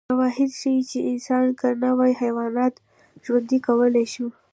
شواهد ښيي چې انسان که نه وای، حیواناتو ژوند کولای شوی.